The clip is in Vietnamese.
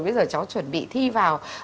bây giờ cháu chuẩn bị thi vào